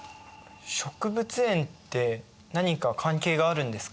植物園って何か関係があるんですか？